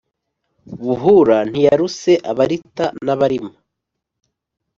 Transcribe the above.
buhura ntiyaruse abarita n’abarima